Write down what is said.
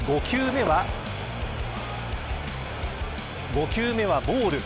５球目はボール。